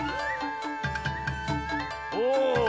お。